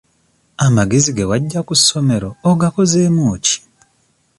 Amagezi ge waggya ku ssomero ogakozeemu ki?